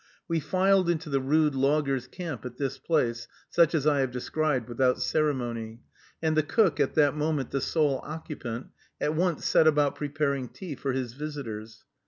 We filed into the rude loggers' camp at this place, such as I have described, without ceremony, and the cook, at that moment the sole occupant, at once set about preparing tea for his visitors.